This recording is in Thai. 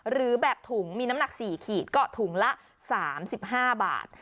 หรือแบบถุงมีน้ำหนัก๔ขีดก็ถุงละ๓๕บาท